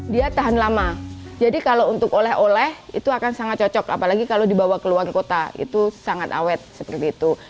dia tahan lama jadi kalau untuk oleh oleh itu akan sangat cocok apalagi kalau dibawa ke luar kota itu sangat awet seperti itu